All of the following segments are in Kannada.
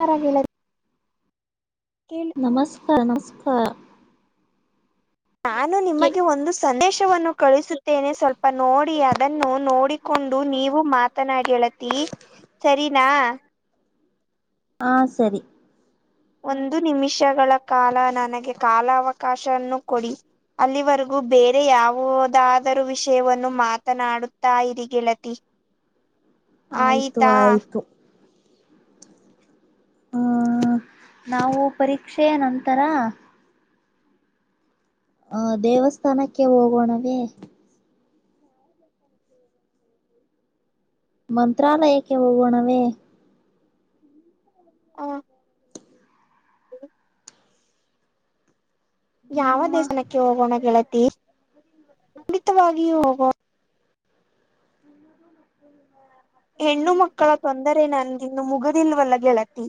ಪರವಾಗಿಲ್ಲ ಕೇಳ್ ನಮಸ್ಕಾರ ನಮಸ್ಕಾರ. ನಾನು ಕೆ ನಿಮಗೆ ಒಂದು ಸಂದೇಶವನ್ನು ಕಳಿಸಿ ತ್ತೇನೆ ಸ್ವಲ್ಪ ನೋಡಿ ಅದನ್ನು ನೋಡಿಕೊಂಡು ನೀವು ಮಾತನಾಡಿ ಹೇಳತಿ. ಸರಿನಾ. ಹಾ ಸರಿ. ಒಂದು ನಿಮಿಷಗಳ ಕಾಲ ನನಗೆ ಕಾಲ ಅವಕಾಶನ್ನು ಕೊಡಿ ಅಲ್ಲಿವರೆಗೂ ಬೇರೆ ಯಾವುದಾದರೂ ವಿಷಯವನ್ನು ಮಾತನಾಡ ತಾಯಿರಿ ಗೆಳತಿ ಆಯ್ತು ಆಯ್ತಾ. ಆಯ್ತು ಹ ನಾವು ಪರೀಕ್ಷೆಯ ನಂತರ. ಹ ದೇವಸ್ಥಾನಕ್ಕೆ ಹೋಗೋಣವೇ. ಮಂತ್ರಾಲಯಕ್ಕೆ ಹೋಗೋಣವೆ. [inaudible] ಯಾವ ನಿಮ್ಮ ದೇವಸ್ಥಾನಕ್ಕೆ ಹೋಗೋಣ ಗೆಳತಿ ಖಂಡಿತವಾಗೂ ಹೋಗೋಣ. [inaudible] ಹೆಣ್ಣು ಮಕ್ಕಳ ತೊಂದರೆ ನಂಗೆ ಇನ್ನೂ ಮುಗದಿಲ್ವಲ್ಲ ಗೆಳತಿ.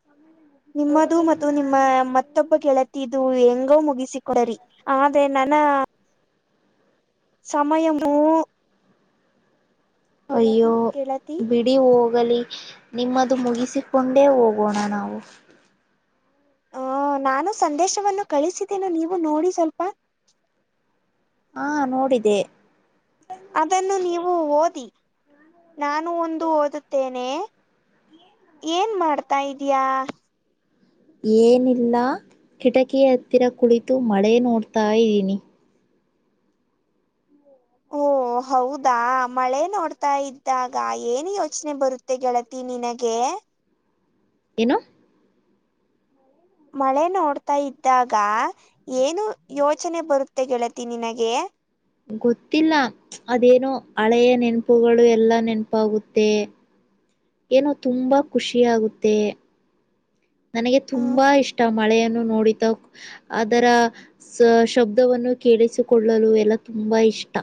[inaudible] ನಿಮ್ಮದು ಮತ್ತು ನಿಮ್ಮ ಮತ್ತೊಬ್ಬ ಗೆಳತಿ ಇದು ಹೆಂಗೋ ಮುಗಿಸಿಕಡರಿ ಆದ್ರೆ. ನನ. ಸಮಯವೂ. ಅಯ್ಯೋ ಗೆಳತಿ. ನೀವು ಹೋಗಲಿ ನಿಮ್ಮದು ಮುಗಿಸಿಕೊಂಡೇ ಹೋಗೋಣ ನಾವು. ಹ ನಾನು ಸಂದೇಶವನ್ನು ಕಳಿಸಿದ್ದೇನ ನೀವು ನೋಡಿ ಸ್ವಲ್ಪ. ಹಾ ನೋಡಿದೆ ಅದನ್ನು ನೀವು ಓದಿ ನಾನು ಒಂದು ಓದುತ್ತೇನೆ. ನೇ ಏನ್ ಮಾಡ್ತಾ ಇದೀಯ. ಏನಿಲ್ಲ ಕಿಟಕಿ ಹತ್ತಿರ ಕುಳಿತು ಮಳೆ ನೋಡ್ತಾ ಇದ್ದೀನಿ. ಓ ಹೌದಾ ಮಳೆ ನೋಡ್ತಾ ಇದ್ದಾಗ ಏನ್ ಯೋಚನೆ ಬರುತ್ತೆ ಗೆಳತಿ ನಿನಗೆ. ಏನು ಮಳೆ ನೋಡ್ತಾ ಇದ್ದಾಗ ಏನು ಯೋಚನೆ ಬರುತ್ತೆ ಗೆಳತಿ ನಿನಗೆ. ಗೊತ್ತಿಲ್ಲ ಅದೇನೋ ಹಳೆಯ ನೆನಪುಗಳು ಎಲ್ಲ ನೆನಪಾಗುತ್ತೆ. ಏನೋ ತುಂಬ ಖುಷಿ ಆಗುತ್ತೆ. ನನಗೆ ಹ ತುಂಬಾ ಇಷ್ಟ ಮಳೆಯನ್ನು ನೋಡಿತ ಅದರ ಸ ಶಬ್ದವನ್ನು ಕೇಳಿಸಿಕೊಳ್ಳಲು ಎಲ್ಲ ತುಂಬಾ ಇಷ್ಟ.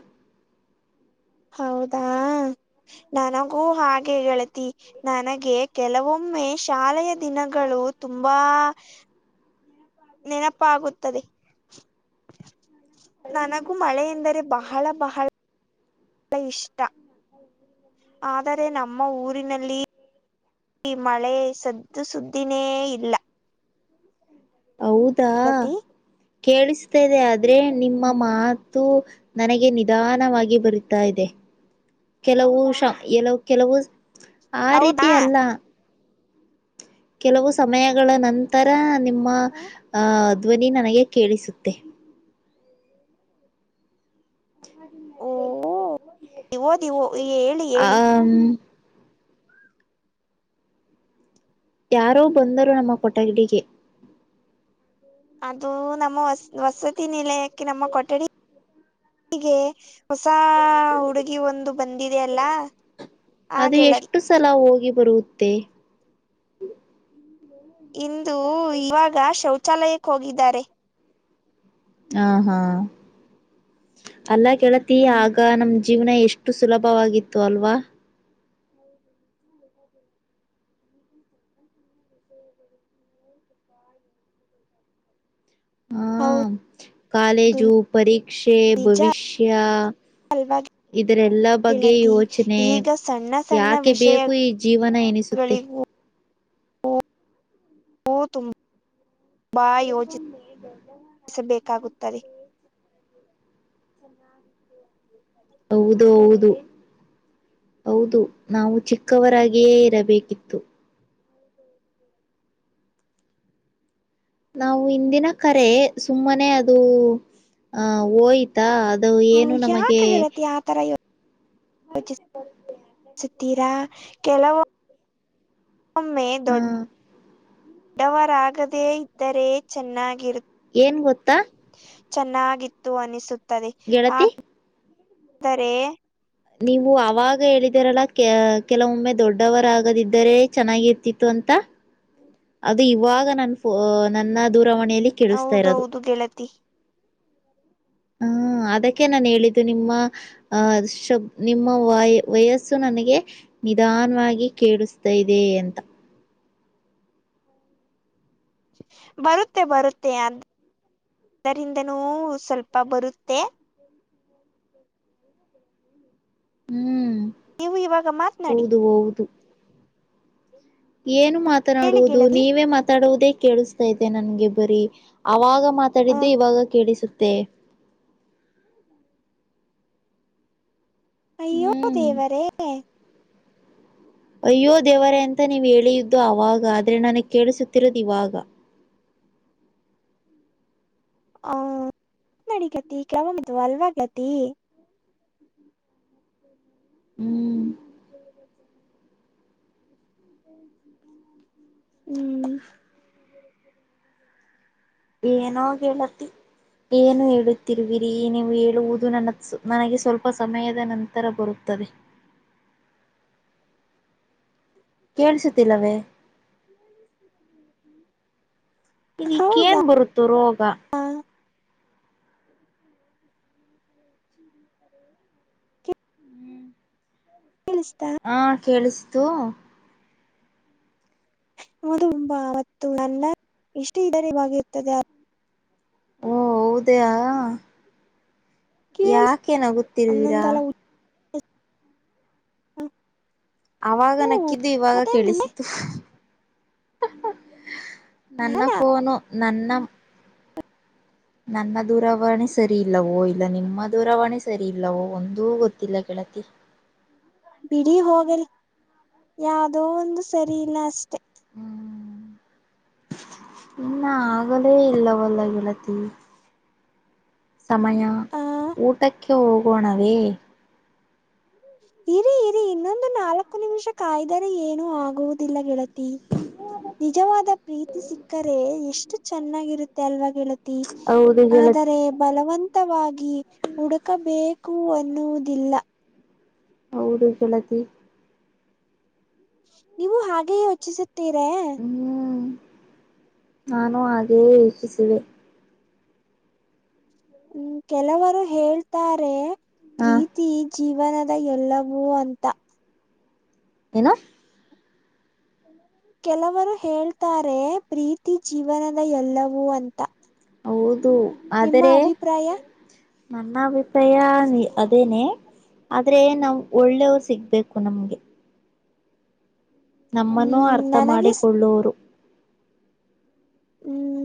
ಹೌದಾ ನನಗೂ ಹಾಗೆ ಗೆಳತಿ ನನಗೆ ಕೆಲವೊಮ್ಮೆ ಶಾಲೆಯ ದಿನಗಳು ತುಂಬಾ ನೆನಪ ಆಗುತ್ತದೆ. ನನಗೂ ಮಳೆ ಎಂದರೆ ಬಹಳ ಬಹಳ ಇಷ್ಟ [inaudible] ಆದರೆ ನಮ್ಮ ಊರಿನಲ್ಲಿ ಮಳೆ ಸದ ಇದು ಸುದ್ದಿನೇ ಇಲ್ಲ. ಹೌದ [inaudible] ಕೇಳಿಸ್ತಾ ಇದೆ ಆದ್ರೆ ನಿಮ್ಮ ಮಾತು ನನಗೆ ನಿಧಾನವಾಗಿ ಬರಿತಾ ಇದೆ ಕೆಲವು ಶ ಕೆಲವು ಆ ರೀತಿ ಹೌದಾ ಅಲ್ಲ. ಕೆಲವು ಸಮಯಗಳ ನಂತರ ನಿಮ್ಮ ಅ ಧ್ವನಿ ನನಗೆ ಕೇಳಿಸುತ್ತೆ. ಓ ಓದಿ ಓ ಹೇಳಿ ಹೇಳಿ ಹ್ಮ್. ಯಾರೋ ಬಂದರು ನಮ್ಮ ಕೊಠಡಿಗೆ ಅದು ನಮ್ಮ ವಸತಿ ನಿಲಯಕ್ಕೆ ನಮ್ಮ ಕೊಠಡಿಗೆ ಹೊಸ ಹುಡುಗಿ ಒಂದು ಬಂದಿದೆಯಲ್ಲ ಆ ಅದು ಗೆಳ್ ಎಷ್ಟು ಸಲ ಹೋಗಿ ಬರುತ್ತೆ. ಇಂದು ಇವಾಗ ಶೌಚಾಲಯಕ್ಕೆ ಹೋಗಿದ್ದಾರೆ. ಹ ಹಾ ಅಲ್ಲಾ ಗೆಳತಿ ಹ್ಮ್ ಆಗ ನಮ್ದ ಜೀವನ ಎಷ್ಟು ಸುಲಭವಾಗಿತ್ತು ಅಲ್ವಾ. [inaudible] ಹಾ ಹೌದು ಕಾಲೇಜು ಪರೀಕ್ಷೆ ನಿಜ ಭವಿಷ್ಯ ಅಲ್ವಾ ಇದರೆಲ್ಲ ಬಗ್ಗೆ ಗೆಳತಿ ಯೋಚನೆ ಈಗ ಸಣ್ಣ ಸಣ್ಣ ಯಾಕೆ ಬೇಕು ಈ ಜೀವನ ಎನಿಸುತ್ತೆ. ಓ [inaudible] ಓ [inaudible] ತುಂಬ ಬಾ [inaudible] ಯೋಜಿಸಬೇಕಾಗುತ್ತದೆ. ಹೌದು ಹೌದು. ಹೌದು ನಾವು ಚಿಕ್ಕವರಾಗಿಯೇ ಇರಬೇಕಿತ್ತು. ನಾವು ಇಂದಿನ ಕರೆ ಸುಮ್ಮನೆ ಅದು ಅ ಹೋಯತ್ ಆತ್ತಾ ಅದು ಏನು ನಮಗೆ ಯೋಚಿ [inaudible] ಸುತ್ತೀರಾ ಕೆಲವು ಒಮ್ಮೆ ಹ ದೊಡ್ಡವರಾಗದೇ ಇದ್ದರೆ ಚೆನ್ನಾಗಿರುತ್ತ ಏನ್ ಗೊತ್ತಾ. ಚೆನ್ನಾಗಿತ್ತು ಅನಿಸುತ್ತದೆ ಗೆಳತಿ ಆದರೆ. ನೀವು ಅವಾಗ ಹೇಳಿದರಲ್ಲ ಕೆ ಕೆಲವೊಮ್ಮೆ ದೊಡ್ಡವರಾಗದಿದ್ದರೆ ಚೆನ್ನಾಗಿರ್ತಿತ್ತು ಅಂತ ಅದು ಇವಾಗ ನನ್ ಪೋ ನನ್ನ ದೂರವಾಣಿಯಲ್ಲಿ ಕೇಳಿಸ್ತಾ ಇರೋದು. ಹೌದೌದು ಗೆಳತಿ [inaudible] ಹ್ಮ ಅದಕ್ಕೆ ನಾನ ಹೇಳಿದ್ದು ನಿಮ್ಮ ಅ ಶಬ್ ನಿಮ್ಮ ವಾಯ ವಯಸ್ಸು ನನಗೆ ನಿಧಾನವಾಗಿ ಕೇಳಿಸ್ತಾ ಇದೆ ಅಂತ. ಬರುತ್ತೆ ಬರುತ್ತೆ ಅ ಅದರಿಂದನೂ ಸ್ವಲ್ಪ ಬರುತ್ತೆ ಹ್ಮ್ ನೀವು ಇವಾಗ ಮಾತನಾಡಿ ಹೌದು ಹೌದು. ಏನು ಹೇಳಿ ಮಾತನಾಡುವುದು ಗೆಳತಿ ನೀವೇ ಮಾತಾಡುವುದೇ ಕೇಳಿಸ್ತಾತೆ ನನ್ಗೆ ಬರೀ ಅವಾಗ ಆ ಮಾತಾಡಿದ್ದು ಇವಾಗ ಕೇಳಿಸುತ್ತೆ. ಅಯ್ಯೋ ಹ್ಮ್ ದೇವರೇ. ಅಯ್ಯೋ ದೇವರೇ ಅಂತ ನೀವ ಹೇಳಿದ್ದು ಅವಾಗ ಆದ್ರೆ ನನಗ್ ಕೇಳಿಸುತ್ತಿರೋದು ಇವಾಗ ಆ ನಡಿಕೇತಿ [unintelligible] ಹ್ಮ್. ಹ್ಮ್ [inaudible] ಏನೋ ಗೆಲತಿ. ಏನು ಹೇಳುತ್ತಿರುವಿರಿ ನೀವು ಹೇಳುವುದು ನನ್ನ ನನಗೆ ಸ್ವಲ್ಪ ಸಮಯದ ನಂತರ ಬರುತ್ತದೆ. ಕೇಳಸತಿಲ್ಲವೇ. ಹೌದಾ ಇದಿಕ್ಕೆನ್ ಬರುತ್ತೋ ರೋಗ. [inaudible] ಸ್ತಾ. ಹಾ ಕೇಳಸ್ತು. ಹೌದುುಂಬಾ ಅವತ್ತು ನನ್ನ ಇಷ್ಟು ಇದರೆ ಬರ್ತದೆ. ಓ ಹೌದಯ ಕೇಳಸ್ ಯಾಕೇ ನಗುತ್ತಿರುವಿರಾ. ಅನ್ನೊಂದಲ ಹ ಅವಾಗ ನಕ್ಕಿದ್ದು ಇವಾಗ ಮುಂದೆ ಕೇಳಿಸಿತು. ನನ್ನ ನಾನಾ ಫೋನು ನನ್ನ ನನ್ನ ದೂರವಾಣಿ ಸರಿ ಇಲ್ಲವೋ ಇಲ್ಲ ನಿಮ್ಮ ದೂರವಾಣಿ ಸರಿ ಇಲ್ಲವೋ ಒಂದೂ ಗೊತ್ತಿಲ್ಲ ಗೆಳತಿ. ಬಿಡಿ ಹೋಗಲಿ ಯಾದೋ ಒಂದು ಸರಿ ಇಲ್ಲ ಅಷ್ಟೆ. ಹ್ಮ್ ಇನ್ನ ಆಗಲೇ ಇಲ್ಲವಲ್ಲ ಗೆಳತಿ. ಸಮಯಾ ಆ ಊಟಕ್ಕೆ ಹೋಗೋಣವೇ. ಇರಿ ಇರಿ ಇನ್ನೊಂದು ನಾಲ್ಕು ನಿಮಿಷ ಕಾಯ್ದರೆ ಏನು ಆಗುವುದಿಲ್ಲ ಗೆಳತಿ. ನಿಜವಾದ ಪ್ರೀತಿ ಸಿಕ್ಕರೆ ಎಷ್ಟು ಚೆನ್ನಾಗಿರುತ್ತೆ ಅಲ್ವ ಗೆಳತಿ. ತಿ ಹೌದು ಗೆಳತಿ ಆದರೆ ಬಲವಂತ. ತವಾಗಿ ಹುಡುಕಬೇಕು ಅನ್ನುವುದಿಲ್ಲ. ಹೌದು ಗೆಳತಿ. ನೀವು ಹಾಗೆ ಯೋಚಿಸುತ್ತೀರ. ಹ್ಮ್ ನಾನು ಹಾಗೇಯೆ ಯೋಚಿಸುವೆ. ಹ್ಮ್ ಕೆಲವರು ಹೇಳ್ತಾರೆ ಹಾ ಪ್ರೀತಿ ತಿ ಜೀವನದ ಎಲ್ಲವೂ ಅಂತ. ಏನು. ಕೆಲವರು ಹೇಳ್ತಾರೆ ಪ್ರೀತಿ ಜೀವನದ ಎಲ್ಲವೂ ಅಂತ. ಹೌದು ನಿಮ್ಮ ಆದರೆ ಅಭಿಪ್ರಾಯ ನನ್ನಭಿ ಪ್ರಾಯ ಅದೇನೇ ಆದ್ರೆ ನಾವ್ ಒಳ್ಳೇವ್ರ ಸಿಗ್ಬೇಕು ನಮ್ಗೆ. ನಮ್ಮನ್ನು ಹ್ಮ್ ಅರ್ಥ ನನಗೆ ಸ್- ಮಾಡಿಕೊಳ್ಳೋರು. ಹ್ಮ್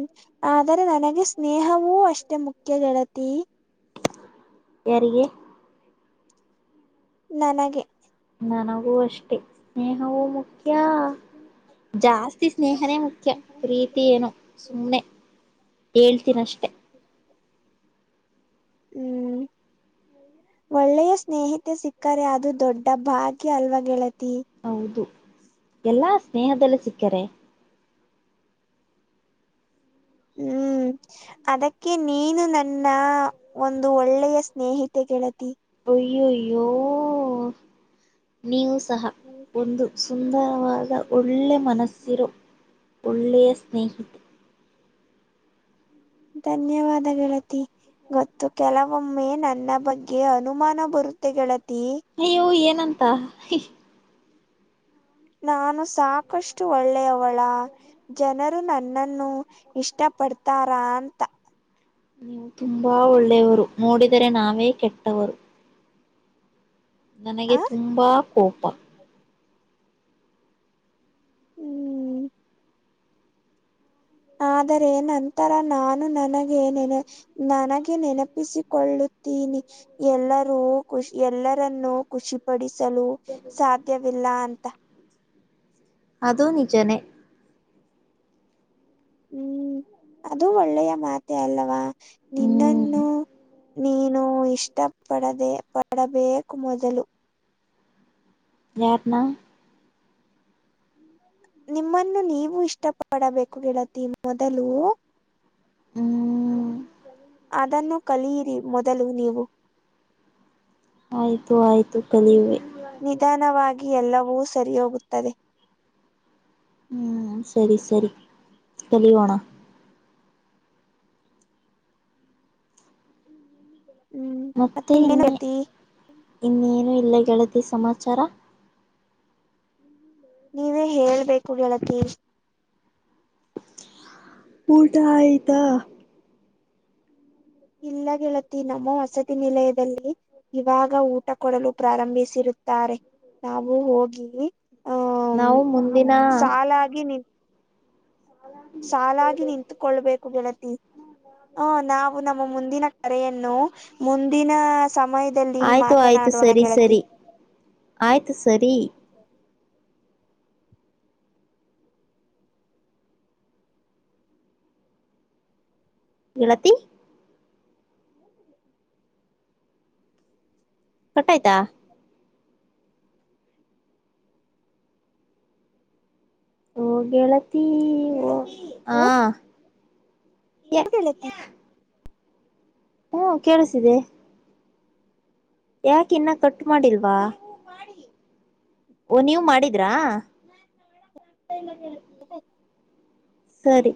ಆದರೆ ನನಗೆ ಸ್ನೇಹವೂ ಅಷ್ಟೇ ಮುಖ್ಯ ಗೆಳತಿ. ಯಾರಿಗೆ. ನನಗೆ. ನನಗೂ ಅಷ್ಟೆ ಸ್ನೇಹವೂ ಮುಖ್ಯಾ ಜಾಸ್ತಿ ಸ್ನೇಹನೇ ಮುಖ್ಯ ಪ್ರೀತಿ ಏನು ಸುಮ್ಮ್ನೆ. ಹೇಳ್ತೀನಷ್ಟೇ. [unintelligible] ಹ್ಮ್. ಒಳ್ಳೆಯ ಸ್ನೇಹಿತೆ ಸಿಕ್ಕರೆ ಅದು ದೊಡ್ಡ ಭಾಗ್ಯ ಅಲ್ವ ಗೆಳತಿ. ಹೌದು ಎಲ್ಲಾ ಸ್ನೇಹದಲ್ಲ ಸಿಕ್ಕರೆ. ಹ್ಮ್ ಅದಕ್ಕೆ ನೀನು ನನ್ನ ಒಂದು ಒಳ್ಳೆಯ ಸ್ನೇಹಿತೆ ಗೆಳತಿ. ಅಯ್ಯಯ್ಯೋ ನ್ಯೂಸ್. ಸಹ ಒಂದು ಸುಂದರವಾದ ಒಳ್ಳೆ ಮನಸ್ಸಿರೋ. ಒಳ್ಳೆಯ ಸ್ನೇಹಿತ. ಧನ್ಯವಾದ ಗೆಳತಿ. ಮತ್ತು ಕೆಲವೊಮ್ಮೆ ನನ್ನ ಬಗ್ಗೆ ಅನುಮಾನ ಬರುತ್ತೆ ಗೆಳತಿ. ಅಯ್ಯೋ ಏನಂತ ನಾನು ಸಾಕಷ್ಟು ಒಳ್ಳೆಯವಳ. ಜನರ್ ನನ್ನನ್ನು ಇಷ್ಟ ಪಡ್ತಾರಾ. ಅ ನೀವು ತುಂಬಾ ಒಳ್ಳೆಯವರು. ನೋಡಿದರೆ ನಾವೇ ಕೆಟ್ಟವರು. ನನಗೆ ಆ ತುಂಬಾ ಕೋಪ. ಹ್ಮ್. ಆದರೆ ನಂತರ ನಾನು ನನಗ ಏನನೇ. ನನಗೆ ನೆನಪಿಸಿಕೊಳ್ಳುತ್ತೀನಿ. ಎಲ್ಲರೂ ಖುಷಿ ಎಲ್ಲರನ್ನು, ಖುಷಿಪಡಿಸಲು ಸಾಧ್ಯವಿಲ್ಲ ಅಂತ. ಅದು ನಿಜನೇ. ಹ್ಮ್ ಅದು ಒಳ್ಳೆಯ ಮಾತೆ ಅಲ್ಲವಾ. ಹ್ಮ್ ನಿನ್ನನ್ನು ನೀನು ಇಷ್ಟ ಪಡದೆ ಪಡಬೇಕು ಮೊದಲು. ಯಾರ್ನ. ನಿಮ್ಮನ್ನು ನೀವು ಇಷ್ಟ ಪಡಬೇಕು ಗೇಳತಿ ಮೊದಲು. ಹ್ಮ. ಅದನ್ನು ಕಲಿಯಿರಿ ಮೊದಲು ನೀವು. ಆಯ್ತು ಆಯ್ತು ಕಲಿವುವೆ. ನಿಧಾನವಾಗಿ ಎಲ್ಲವೂ ಸರಿ ಹೋಗುತ್ತದೆ. ಹ್ಮ್ ಸರಿ ಸರಿ ಕಲಿಯೋಣ. ಹ್ಮ್ ಮತ್ತ ಮತ್ತೆ ಇನ್ನೇನು ಇನ್ನ ಗತಿ ಇನ್ನೇನು ಇಲ್ಲ ಗೆಳತಿ ಸಮಾಚಾರ. ನೀವೇ ಹೇಳ್ಬೇಕು ಗೆಳತಿ. ಊಟ ಆಯ್ತಾ. ಇಲ್ಲ ಗೆೇಳತಿ ನಮ್ಮ ವಸತಿ ನಿಲಯದಲ್ಲಿ. ಇವಾಗ ಊಟ ಕೊಡಲು ಪ್ರಾರಂಭಿಸಿರುತ್ತಾರೆ. ನಾವು ಹೋಗಿ, ನಾವು ಮುಂದಿನ. ಅಲ್ಲ ಆಗೆ ನೀ ಸಾಲಾಗಿ ನಿಂತುಕೊಳ್ಬೇಕು ಗೆಳತಿ. ಹ ನಾವು ನಮ್ಮ ಮುಂದಿನ ಕರೆಯನ್ನು ಮುಂದಿನ ಸಮಯದಲ್ಲಿ. ಇ ಆಯ್ತು ಆಯ್ತು ಮಾತನಾಡೋಣ ಸರಿ ಗೆಳತಿ. ಸರಿ ಆಯ್ತು ಸರಿ. ಗೆಳತಿ. ಕಟ್ಟಾಯ್ತಾ. ಓ ಗೆಳತಿ ಓ ಹೋ ಹಾ. ಗೆಳತಿ ಹ್ಮ ಕೇಳಿಸ್ತಿದೆ. ಯಾಕ ಇನ್ನ ಕಟ್ ಮಾಡಿಲ್ವಾ. ಓ ನೀವು ಮಾಡಿದ್ರಾ. [inaudible] ಸರಿ.